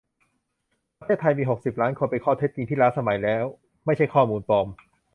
ประเทศไทยมีหกสิบล้านคน เป็นข้อเท็จจริงที่ล้าสมัยแล้ว ไม่ใช่ข้อมูลปลอม